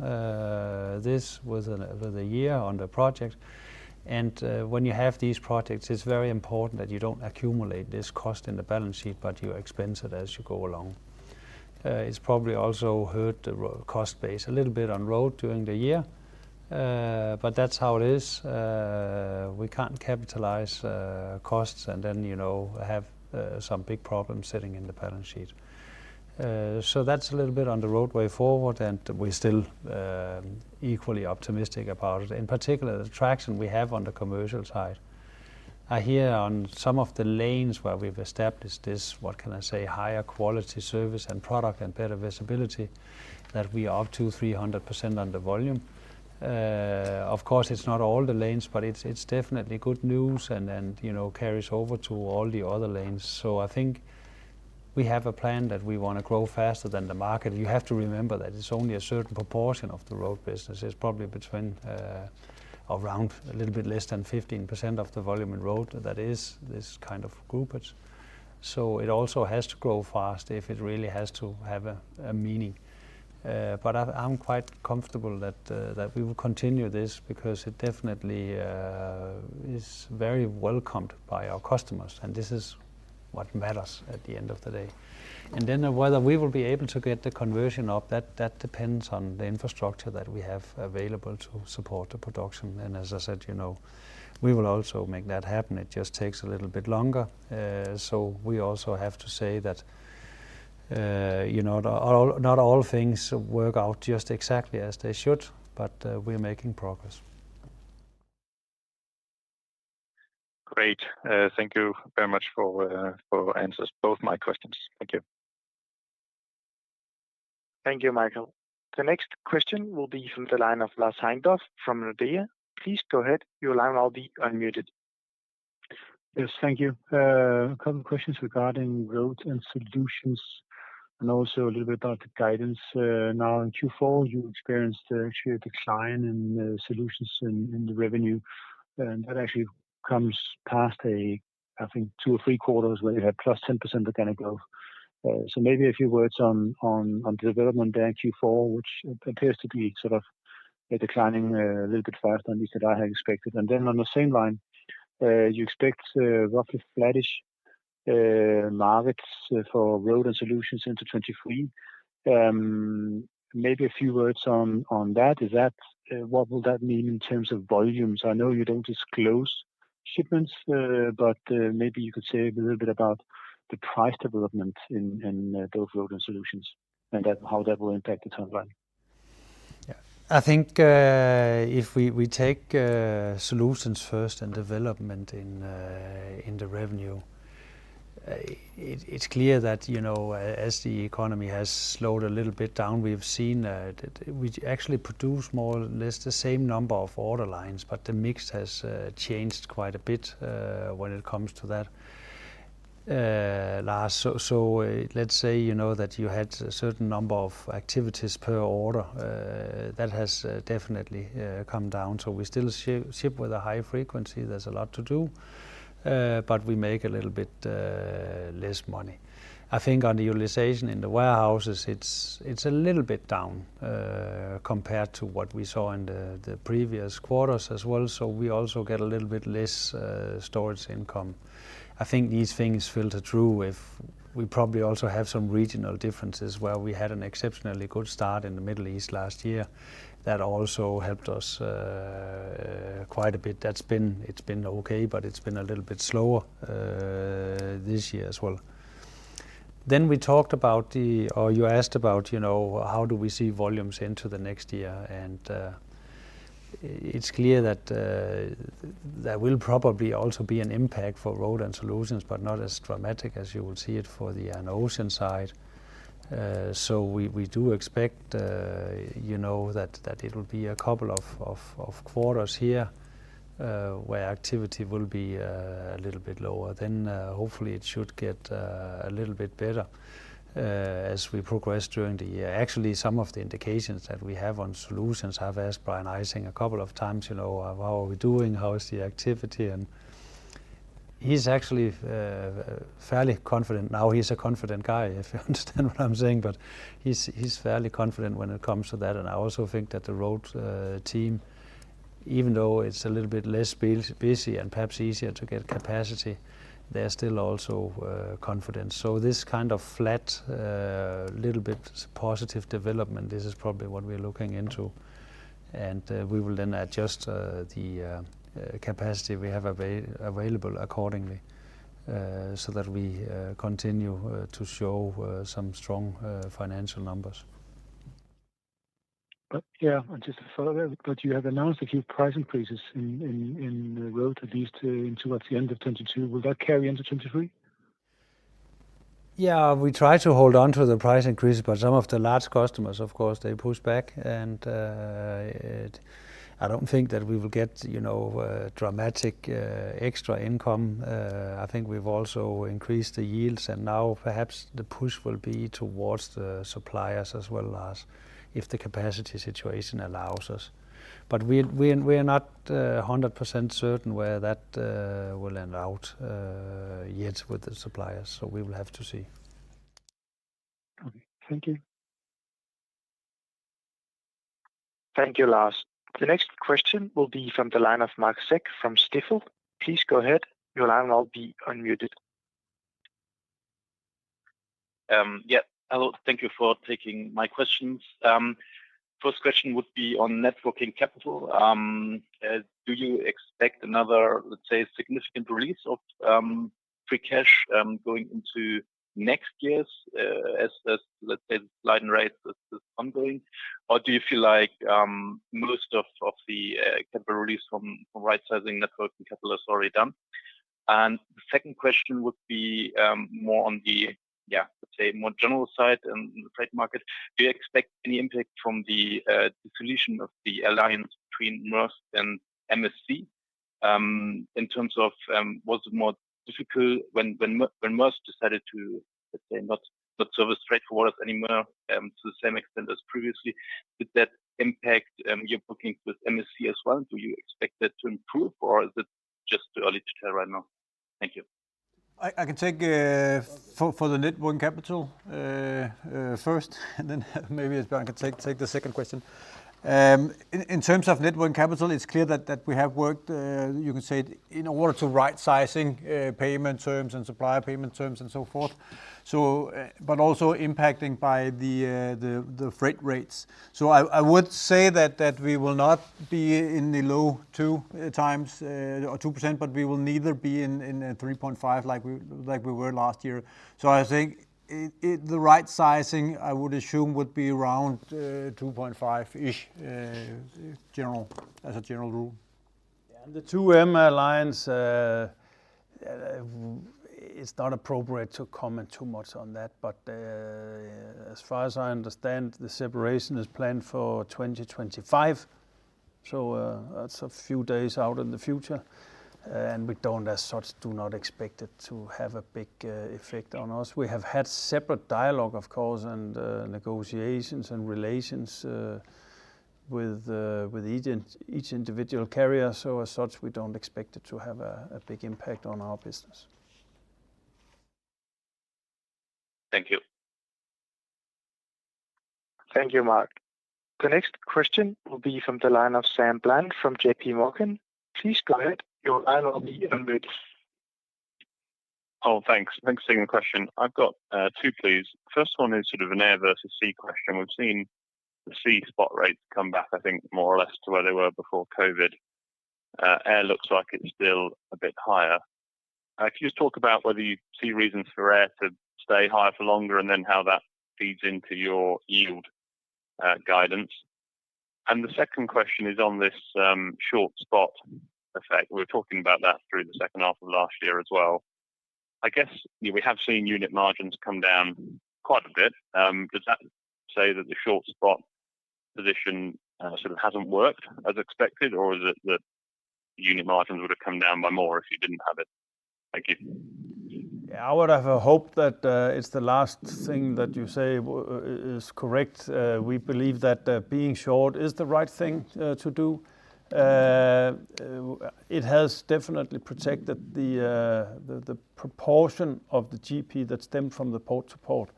this was a year on the project. When you have these projects, it's very important that you don't accumulate this cost in the balance sheet, but you expense it as you go along. It's probably also hurt the cost base a little bit on Road during the year. That's how it is. We can't capitalize costs and then, you know, have some big problems sitting in the balance sheet. That's a little bit on the Roadway Forward, and we're still equally optimistic about it. In particular, the traction we have on the commercial side. I hear on some of the lanes where we've established this, what can I say, higher quality service and product and better visibility, that we are up to 300% on the volume. Of course, it's not all the lanes, but it's definitely good news and, you know, carries over to all the other lanes. I think we have a plan that we wanna grow faster than the market. You have to remember that it's only a certain proportion of the Road business. It's probably between, around a little bit less than 15% of the volume in Road that is this kind of groupage. It also has to grow fast if it really has to have a meaning. I'm quite comfortable that we will continue this because it definitely is very welcomed by our customers, and this is what matters at the end of the day. Whether we will be able to get the conversion up, that depends on the infrastructure that we have available to support the production. As I said, you know, we will also make that happen. It just takes a little bit longer. We also have to say that, you know, not all things work out just exactly as they should, but we're making progress. Great. Thank you very much for answers both my questions. Thank you. Thank you, Michael. The next question will be from the line of Lars Heindorff from Nordea. Please go ahead. Your line will be unmuted. Yes, thank you. A couple questions regarding Road and Solutions and also a little bit about the guidance. Now in Q4, you experienced a sheer decline in Solutions in the revenue. That actually comes past a, I think, two or three quarters where you had +10% organic growth. So maybe a few words on, on development there in Q4, which appears to be sort of, declining, a little bit faster at least than I had expected. Then on the same line, you expect, roughly flattish, markets for Road and Solutions into 2023. Maybe a few words on that. What will that mean in terms of volumes? I know you don't disclose shipments, but, maybe you could say a little bit about the price development in, those Road and solutions, and how that will impact the top line. I think, if we take solutions first and development in the revenue, it's clear that, you know, as the economy has slowed a little bit down, we've seen that we actually produce more or less the same number of order lines, but the mix has changed quite a bit when it comes to that last. Let's say, you know, that you had a certain number of activities per order. That has definitely come down. We still ship with a high frequency. There's a lot to do, but we make a little bit less money. I think on the utilization in the warehouses, it's a little bit down compared to what we saw in the previous quarters as well. We also get a little bit less storage income. I think these things filter through with. We probably also have some regional differences where we had an exceptionally good start in the Middle East last year. That also helped us quite a bit. That's been. It's been okay, but it's been a little bit slower this year as well. We talked about the or you asked about, you know, how do we see volumes into the next year. It's clear that there will probably also be an impact for Road and solutions, but not as dramatic as you would see it for the ocean side. We, we do expect, you know, that it'll be a couple of quarters here where activity will be a little bit lower. Hopefully it should get a little bit better as we progress during the year. Actually, some of the indications that we have on solutions, I've asked Brian Ejsing a couple of times, you know, "How are we doing? How is the activity?" He's actually fairly confident now. He's a confident guy, if you understand what I'm saying. He's fairly confident when it comes to that. I also think that the Road team, even though it's a little bit less busy and perhaps easier to get capacity, they're still also confident. This kind of flat, little bit positive development, this is probably what we're looking into. We will then adjust the capacity we have available accordingly, so that we continue to show some strong financial numbers. Just to follow that, you have announced a few price increases in the Road, at least, towards the end of 2022. Will that carry into 2023? We try to hold on to the price increase. Some of the large customers, of course, they push back and I don't think that we will get, you know, dramatic extra income. I think we've also increased the yields, and now perhaps the push will be towards the suppliers as well as if the capacity situation allows us. We're not 100% certain where that will lend out yet with the suppliers. We will have to see. Okay. Thank you. Thank you, Lars. The next question will be from the line of Marc Zeck from Stifel. Please go ahead. Your line will now be unmuted. Hello. Thank you for taking my questions. First question would be on net working capital. Do you expect another, let's say, significant release of free cash going into next years as, let's say, the line rate is ongoing? Do you feel like most of the capital release from rightsizing net working capital is already done? The second question would be more on the, let's say more general side in the freight market. Do you expect any impact from the dissolution of the alliance between Maersk and MSC in terms of? Was it more difficult when Maersk decided to, let's say, not service freight forwards anymore to the same extent as previously? Did that impact your booking with MSC as well? Do you expect that to improve or is it just too early to tell right now? Thank you. I can take for the net working capital first. Maybe Brian can take the second question. In terms of net working capital, it's clear that we have worked you can say in order to rightsizing payment terms and supplier payment terms and so forth. Also impacting by the freight rates. I would say that we will not be in the low 2 times or 2%, we will neither be in 3.5 like we were last year. I think the rightsizing, I would assume, would be around 2.5-ish general, as a general rule. The 2M Alliance, it's not appropriate to comment too much on that. As far as I understand, the separation is planned for 2025, that's a few days out in the future. We don't, as such, do not expect it to have a big effect on us. We have had separate dialogue, of course, and negotiations and relations with each individual carrier. As such, we don't expect it to have a big impact on our business. Thank you. Thank you, Marc. The next question will be from the line of Sam Bland from JP Morgan. Please go ahead, your line will be unmuted. Thanks. Thanks. Second question. I've got 2, please. First one is sort of an Air & Sea question. We've seen the Sea spot rates come back, I think more or less to where they were before COVID. Air looks like it's still a bit higher. Can you just talk about whether you see reasons for Air to stay higher for longer, and then how that feeds into your yield guidance? The second question is on this short spot effect. We were talking about that through the second half of last year as well. I guess we have seen unit margins come down quite a bit. Does that say that the short spot position sort of hasn't worked as expected, or is it that unit margins would've come down by more if you didn't have it? Thank you. I would have a hope that it's the last thing that you say is correct. We believe that being short is the right thing to do. It has definitely protected the proportion of the GP that stemmed from the port to port.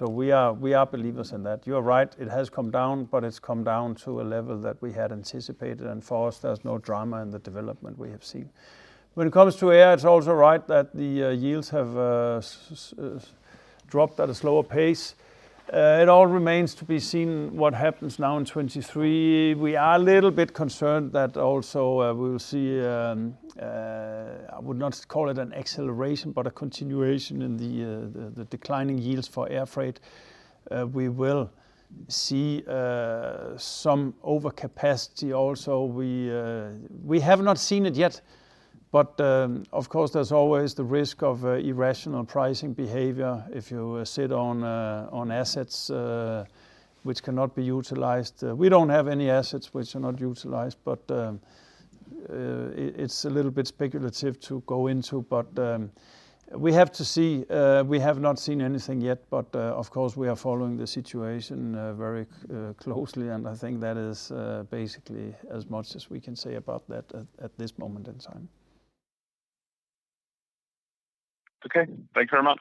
We are believers in that. You are right, it has come down, but it's come down to a level that we had anticipated. For us, there's no drama in the development we have seen. When it comes to air, it's also right that the yields have dropped at a slower pace. It all remains to be seen what happens now in 2023. We are a little bit concerned that also, we'll see, I would not call it an acceleration, but a continuation in the, the declining yields for air freight. We will see some overcapacity also. We have not seen it yet, but, of course there's always the risk of irrational pricing behavior if you sit on assets which cannot be utilized. We don't have any assets which are not utilized, but, it's a little bit speculative to go into. We have to see. We have not seen anything yet, but, of course we are following the situation very closely. I think that is basically as much as we can say about that at this moment in time. Okay. Thank you very much.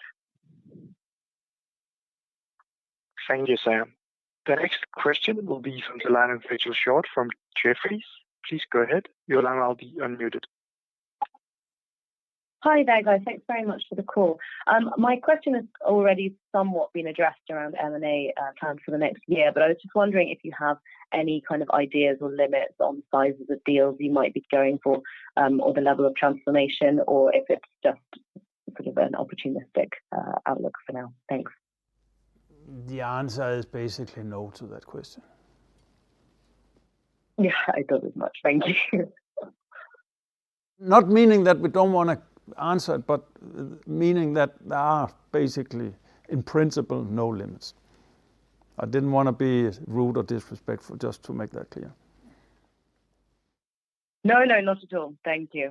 Thank you, Sam. The next question will be from the line of Rachel Short from Jefferies. Please go ahead. Your line will be unmuted. Hi there, guys. Thanks very much for the call. My question has already somewhat been addressed around M&A plans for the next year. I was just wondering if you have any kind of ideas or limits on sizes of deals you might be going for, or the level of transformation, or if it's just sort of an opportunistic outlook for now. Thanks. The answer is basically no to that question. I thought as much. Thank you. Not meaning that we don't wanna answer it, but meaning that there are basically, in principle, no limits. I didn't want to be rude or disrespectful, just to make that clear. No, no, not at all. Thank you.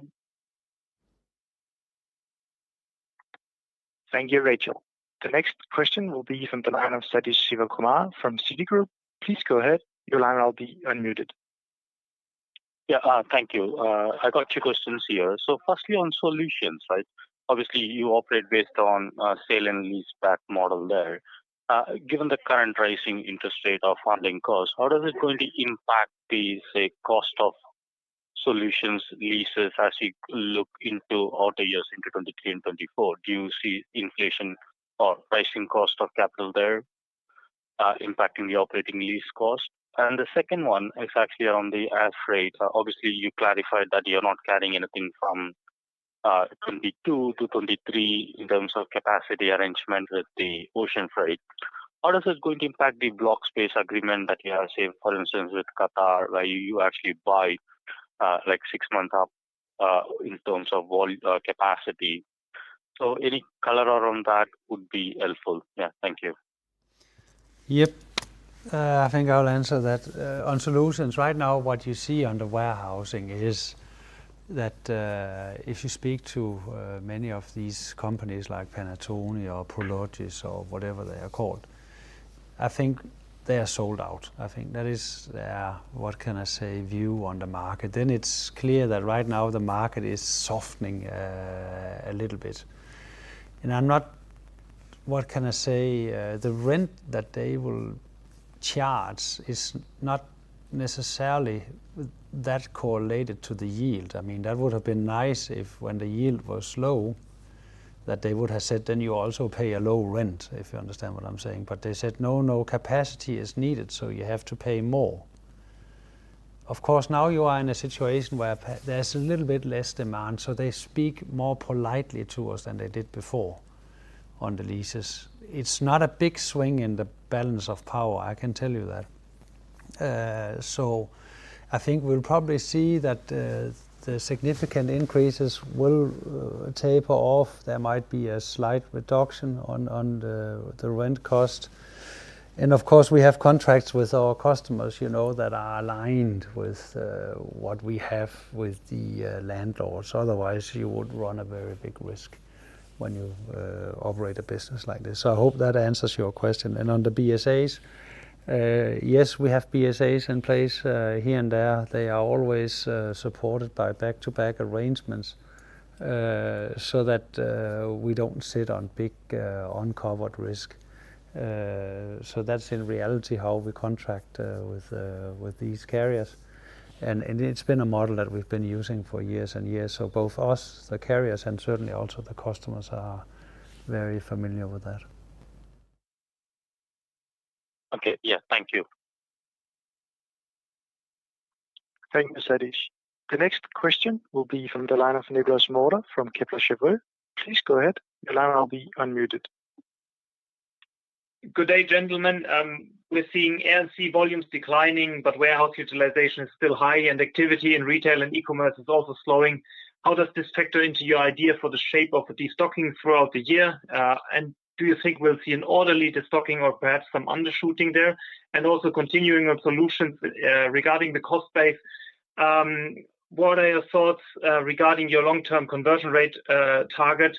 Thank you, Rachel. The next question will be from the line of Sathish Sivakumar from Citigroup. Please go ahead. Your line will be unmuted. Thank you. I got two questions here. Firstly on solutions, right? Obviously, you operate based on a sale and leaseback model there. Given the current rising interest rate of funding costs, how does it going to impact the, say, cost of solutions leases as you look into all the years into 2023 and 2024? Do you see inflation or rising cost of capital there, impacting the operating lease cost? The second one is actually on the air freight. Obviously, you clarified that you're not carrying anything from 2022 to 2023 in terms of capacity arrangement with the ocean freight. How does this going to impact the block space agreement that you have, say, for instance with Qatar, where you actually buy, like 6 months up, in terms of capacity? Any caller around that would be helpful. Thank you. Yep. I think I'll answer that. On solutions, right now what you see under warehousing is that, if you speak to many of these companies like Panattoni or Prologis or whatever they are called, I think they are sold out. I think that is their, what can I say, view on the market. It's clear that right now the market is softening a little bit. I'm not, what can I say? The rent that they will charge is not necessarily that correlated to the yield. I mean, that would've been nice if when the yield was low that they would have said, "Then you also pay a low rent," if you understand what I'm saying. They said, "No, no, capacity is needed, so you have to pay more." Of course, now you are in a situation where there's a little bit less demand, so they speak more politely to us than they did before on the leases. It's not a big swing in the balance of power, I can tell you that. I think we'll probably see that the significant increases will taper off. There might be a slight reduction on the rent cost. Of course, we have contracts with our customers, you know, that are aligned with what we have with the landlords. Otherwise, you would run a very big risk when you operate a business like this. I hope that answers your question. On the BSAs, yes, we have BSAs in place here and there. They are always supported by back-to-back arrangements, so that we don't sit on big uncovered risk. That's in reality how we contract with these carriers. It's been a model that we've been using for years and years. Both us, the carriers, and certainly also the customers are very familiar with that. Okay. Thank you. Thank you, Satish. The next question will be from the line of Nicolas Mora from Kepler Cheuvreux. Please go ahead. Your line will be unmuted. Good day, gentlemen. We're seeing Air & Sea volumes declining, but warehouse utilization is still high, and activity in retail and e-commerce is also slowing. How does this factor into your idea for the shape of the destocking throughout the year? Do you think we'll see an orderly destocking or perhaps some undershooting there? Also continuing on Solutions, regarding the cost base, what are your thoughts regarding your long-term conversion ratio target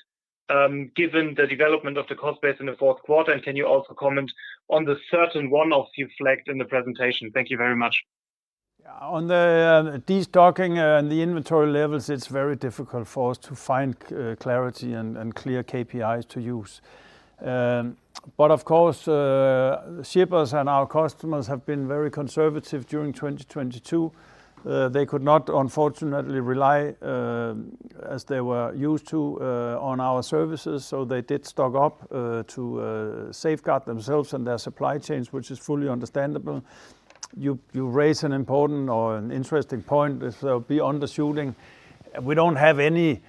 given the development of the cost base in the fourth quarter? Can you also comment on the certain one you flagged in the presentation? Thank you very much. On the destocking, and the inventory levels, it's very difficult for us to find clarity and clear KPIs to use. Of course, shippers and our customers have been very conservative during 2022. They could not unfortunately rely, as they were used to, on our services, so they did stock up to safeguard themselves and their supply chains, which is fully understandable. You raise an important or an interesting point, this be undershooting. We don't have any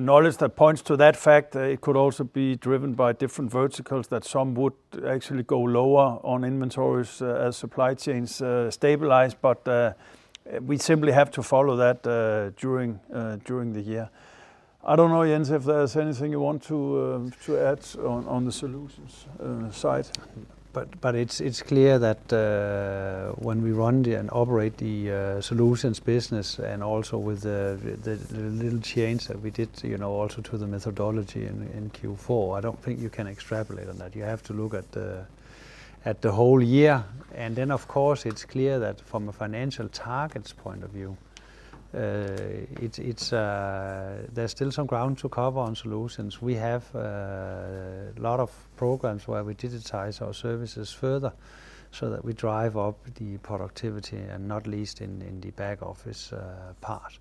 knowledge that points to that fact. It could also be driven by different verticals that some would actually go lower on inventories as supply chains stabilize. We simply have to follow that during the year. I don't know, Jens, if there's anything you want to add on the Solutions side. It's clear that when we run and operate the Solutions business and also with the little change that we did, you know, also to the methodology in Q4, I don't think you can extrapolate on that. You have to look at the whole year. Then, of course, it's clear that from a financial targets point of view, it's, there's still some ground to cover on Solutions. We have a lot of programs where we digitize our services further so that we drive up the productivity and not least in the back office part.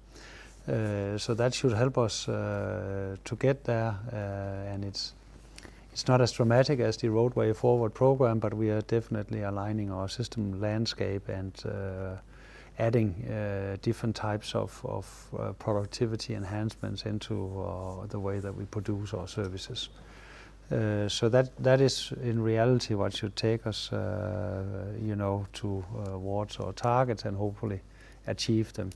So that should help us to get there. It's not as dramatic as the Roadway Forward program, but we are definitely aligning our system landscape and adding different types of productivity enhancements into the way that we produce our services. That is in reality what should take us, you know, towards our targets and hopefully achieve them.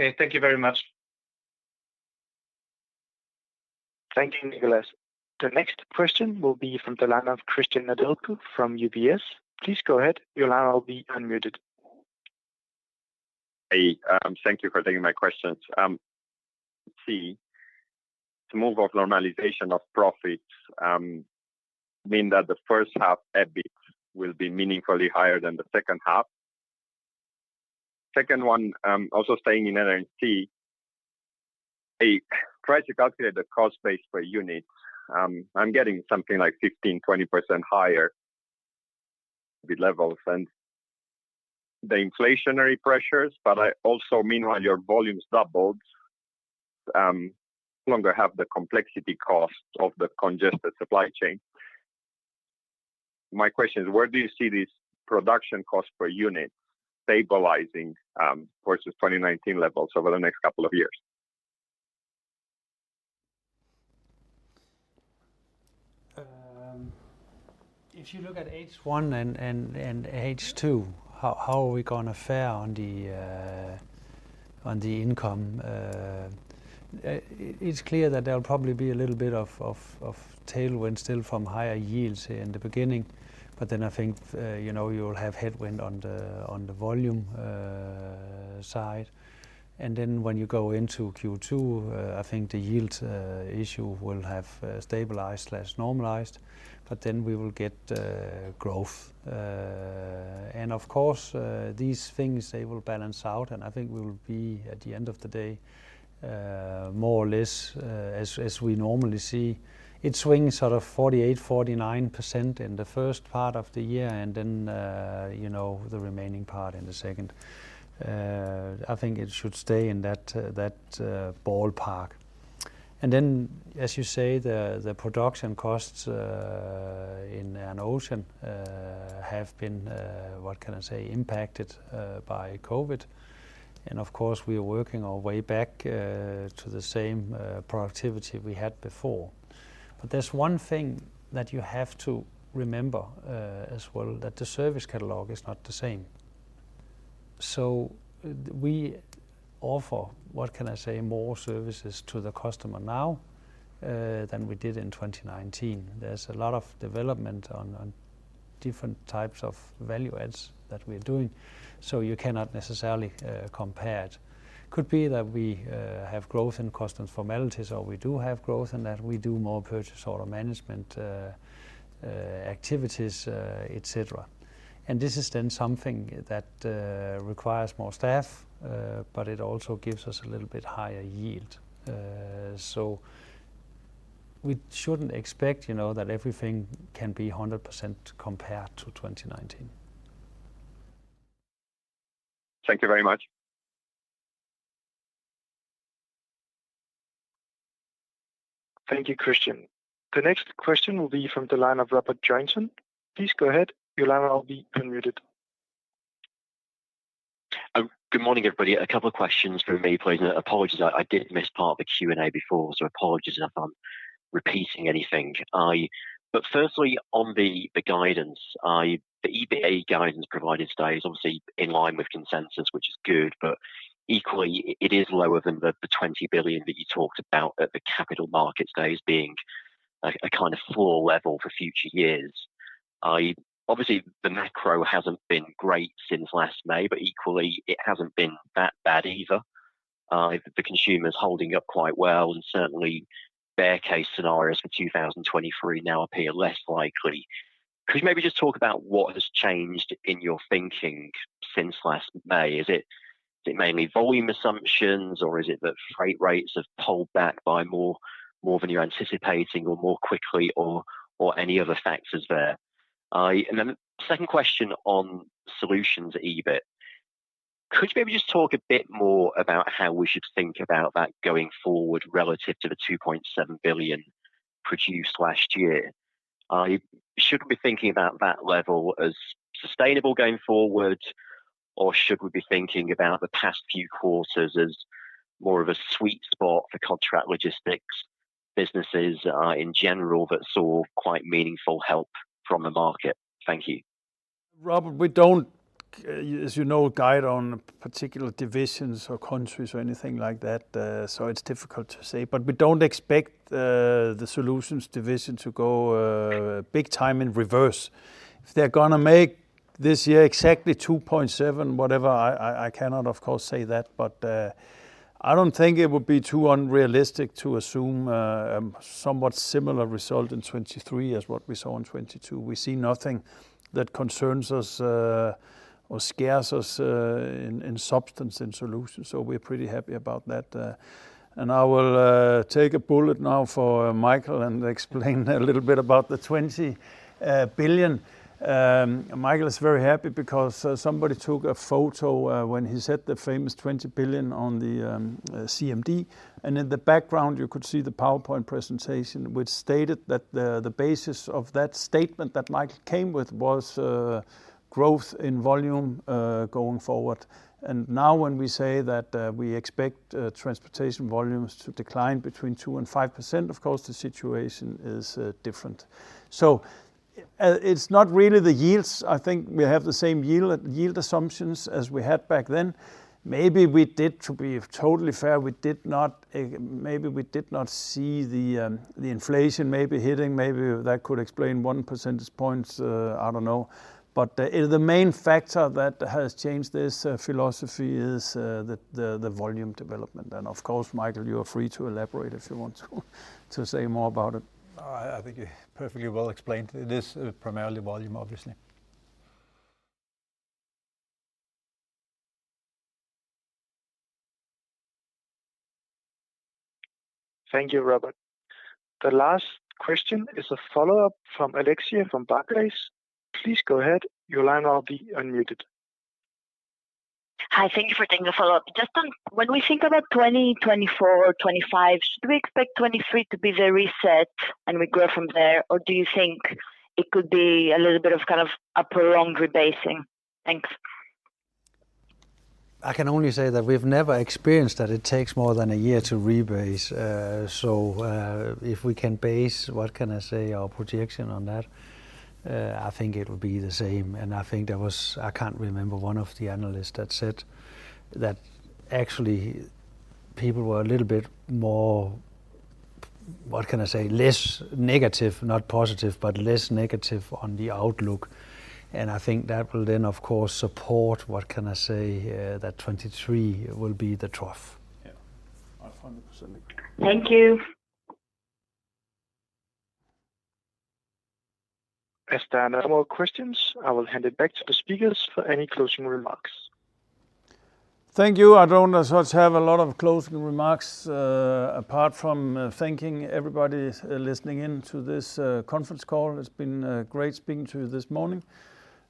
Okay. Thank you very much. Thank you, Nicolas. The next question will be from the line of Cristian Nedelcu from UBS. Please go ahead. Your line will be unmuted. Thank you for taking my questions. See, to move of normalization of profits, mean that the first half EBIT will be meaningfully higher than the second half. Second one, also staying in NMC, I tried to calculate the cost base per unit. I'm getting something like 15%-20% higher the levels and the inflationary pressures, but I also meanwhile your volumes doubled, no longer have the complexity cost of the congested supply chain. My question is: where do you see this production cost per unit stabilizing, versus 2019 levels over the next couple of years? If you look at H1 and H2, how are we gonna fare on the income? It's clear that there'll probably be a little bit of tailwind still from higher yields in the beginning, but then I think, you know, you'll have headwind on the volume side. When you go into Q2, I think the yield issue will have stabilized slash normalized, but then we will get growth. Of course, these things, they will balance out, and I think we will be, at the end of the day, more or less, as we normally see, it swings sort of 48%-49% in the first part of the year and then, you know, the remaining part in the second. I think it should stay in that, ballpark. As you say, the production costs in Ocean have been, what can I say? Impacted by COVID. Of course, we are working our way back to the same productivity we had before. There's one thing that you have to remember as well, that the service catalog is not the same. We offer, what can I say, more services to the customer now, than we did in 2019. There's a lot of development on different types of value adds that we are doing, you cannot necessarily compare it. Could be that we have growth in customs formalities or we do have growth in that we do more purchase order management, activities, et cetera. This is then something that requires more staff, but it also gives us a little bit higher yield. We shouldn't expect, you know, that everything can be 100% compared to 2019. Thank you very much. Thank you, Christian. The next question will be from the line of Robert Joynson. Please go ahead. Your line will be unmuted. Good morning, everybody. A couple of questions from me, please. Apologies, I did miss part of the Q&A before, so apologies if I'm repeating anything. Firstly, on the guidance, the EBITDA guidance provided today is obviously in line with consensus, which is good, but equally it is lower than the 20 billion that you talked about at the Capital Markets Day as being a kind of floor level for future years. Obviously the macro hasn't been great since last May, but equally it hasn't been that bad either. The consumer's holding up quite well and certainly bear case scenarios for 2023 now appear less likely. Could you maybe just talk about what has changed in your thinking since last May? Is it mainly volume assumptions or is it that freight rates have pulled back by more than you're anticipating or more quickly or any other factors there? Second question on Solutions EBIT. Could you maybe just talk a bit more about how we should think about that going forward relative to the 2.7 billion produced last year? Should we be thinking about that level as sustainable going forward or should we be thinking about the past few quarters as more of a sweet spot for contract logistics businesses in general that saw quite meaningful help from the market? Thank you. Robert, we don't, as you know, guide on particular divisions or countries or anything like that, it's difficult to say. We don't expect the Solutions division to go big time in reverse. If they're gonna make this year exactly 2.7 whatever, I cannot of course say that, I don't think it would be too unrealistic to assume a somewhat similar result in 2023 as what we saw in 2022. We see nothing that concerns us or scares us in substance in Solutions, we're pretty happy about that. I will take a bullet now for Michael and explain a little bit about the 20 billion. Michael is very happy because somebody took a photo when he said the famous 20 billion on the CMD, and in the background you could see the PowerPoint presentation which stated that the basis of that statement that Michael came with was growth in volume going forward. Now when we say that we expect transportation volumes to decline between 2% and 5%, of course the situation is different. It's not really the yields. I think we have the same yield assumptions as we had back then. Maybe we did, to be totally fair, we did not. Maybe we did not see the inflation maybe hitting. Maybe that could explain 1 percentage point, I don't know. The main factor that has changed this philosophy is the volume development. Of course, Michael, you are free to elaborate if you want to say more about it. I think you perfectly well explained. It is primarily volume, obviously. Thank you, Robert. The last question is a follow-up from Alexia from Barclays. Please go ahead. Your line will be unmuted. Hi, thank you for taking the follow-up. Just on when we think about 2024, 2025, should we expect 2023 to be the reset and we grow from there? Do you think it could be a little bit of, kind of a prolonged rebasing? Thanks. I can only say that we've never experienced that it takes more than a year to rebase. So, if we can base, what can I say, our projection on that, I think it will be the same. I think there was, I can't remember one of the analysts that said that actually people were a little bit more, what can I say, less negative, not positive, but less negative on the outlook. I think that will then of course support, what can I say, that 2023 will be the trough. A 100% agree. Thank you. As there are no more questions, I will hand it back to the speakers for any closing remarks. Thank you. I don't as such have a lot of closing remarks, apart from thanking everybody listening in to this conference call. It's been great speaking to you this morning.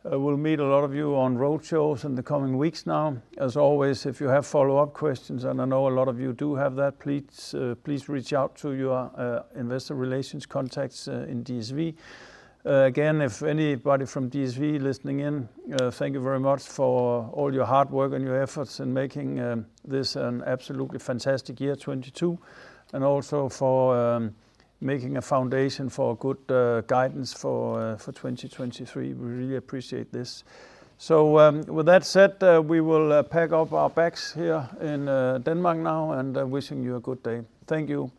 We'll meet a lot of you on roadshows in the coming weeks now. As always, if you have follow-up questions, and I know a lot of you do have that, please reach out to your investor relations contacts in DSV. Again, if anybody from DSV listening in, thank you very much for all your hard work and your efforts in making this an absolutely fantastic year, 2022. Also for making a foundation for a good guidance for 2023. We really appreciate this. With that said, we will pack up our bags here in Denmark now and wishing you a good day. Thank you.